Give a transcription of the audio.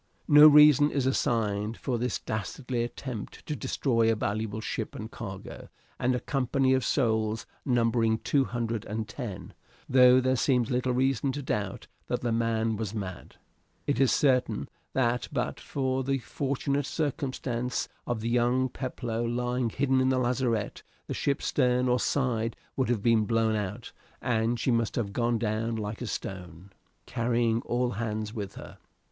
No reason is assigned for this dastardly attempt to destroy a valuable ship and cargo and a company of souls numbering two hundred and ten, though there seems little reason to doubt that the man was mad. It is certain that but for the fortunate circumstance of young Peploe lying hidden in the lazarette the ship's stern or side would have been blown out, and she must have gone down like a stone, carrying all hands with her.